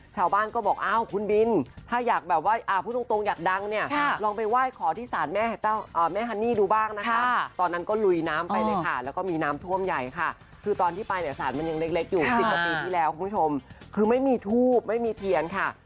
ชาวบ้านก็บอกอ้าวคุณบินถ้าอยากแบบว่าพูดตรงอยากดังเนี่ย